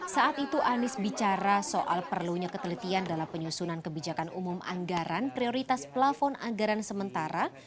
saat itu anies bicara soal perlunya ketelitian dalam penyusunan kebijakan umum anggaran prioritas plafon anggaran sementara